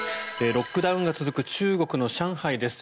ロックダウンが続く中国の上海です。